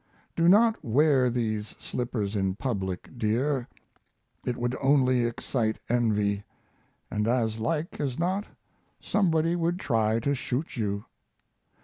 Do not wear these slippers in public, dear; it would only excite envy; and, as like as not, somebody would try to shoot you.